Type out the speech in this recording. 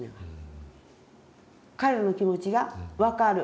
彼らの気持ちが分かる。